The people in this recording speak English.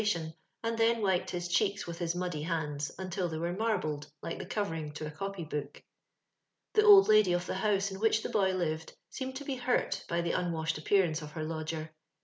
atioL and then wiped hia oheeka with nia moddj handa, nntil thegr were marbled, like the oorering to a eopj'book. The old lady of the hoose in whidi the boy lived aeemed to be hart 1^ ^^ onwaehed up peaianoe of her lodger.